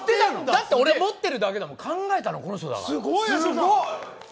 だって、俺、持ってるだけだもん、考えたの、この人だから。